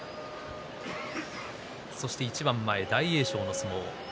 そして一番前大栄翔の相撲です。